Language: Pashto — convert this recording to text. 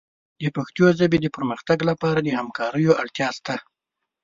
د پښتو ژبې د پرمختګ لپاره د همکاریو اړتیا شته.